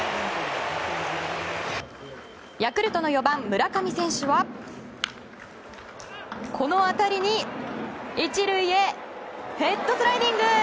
ヤクルトの４番、村上選手はこの当たりに１塁へ、ヘッドスライディング！